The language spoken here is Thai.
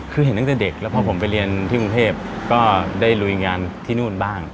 คือเห็นตั้งแต่เด็กแล้วพอผมไปเรียนที่กรุงเทพก็ได้ลุยงานที่นู่นบ้าง